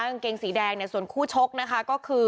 กางเกงสีแดงเนี่ยส่วนคู่ชกนะคะก็คือ